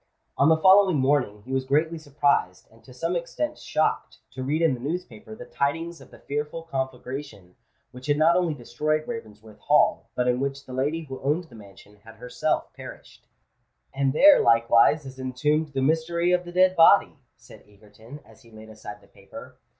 On the following morning he was greatly surprised, and to some extent shocked, to read in the newspaper the tidings of the fearful conflagration which had not only destroyed Ravensworth Hall, but in which the lady who owned the mansion had herself perished. "And there likewise is entombed the mystery of the dead body!" said Egerton, as he laid aside the paper.